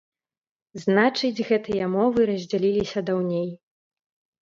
Значыць, гэтыя мовы раздзяліліся даўней.